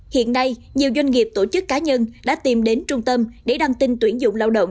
hiện nay nhiều doanh nghiệp tổ chức cá nhân đã tìm đến trung tâm để đăng tin tuyển dụng lao động